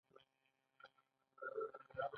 که د توکو لګښتونه د هغه له ارزښت کم کړو